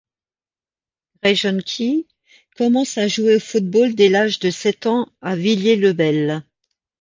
Grejohn Kyei commence à jouer au football dès l'âge de sept ans à Villiers-le-Bel.